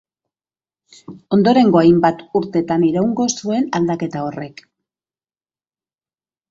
Ondorengo hainbat urtetan iraungo zuen aldaketa horrek.